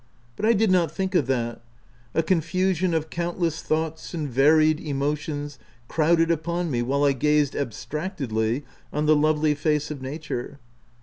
But I did not think of that : a confusion of countless thoughts and varied emotions crowded upon me while I gazed abstractedly on the lovely face of nature.